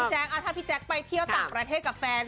แต่เอาจริงปี่แจ๊คถ้าไปเที่ยวต่างประเทศกับแฟน